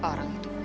siapa orang itu